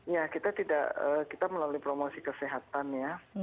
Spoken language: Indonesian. ya kita tidak kita melalui promosi kesehatan ya